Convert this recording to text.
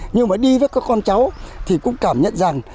nhưng mà đi với các con cháu thì cũng cảm nhận rằng